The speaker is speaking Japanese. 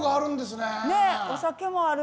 ねっお酒もあるし。